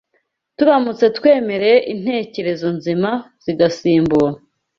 Turamutse twemereye intekerezo nzima zigasimbura